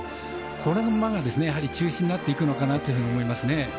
この馬が中心になっていくのかなというふうに思いますね。